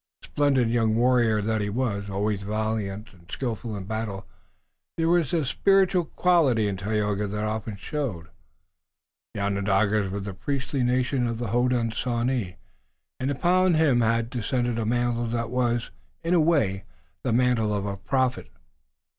Splendid young warrior that he was, always valiant and skillful in battle, there was a spiritual quality in Tayoga that often showed. The Onondagas were the priestly nation of the Hodenosaunee and upon him had descended a mantle that was, in a way, the mantle of a prophet.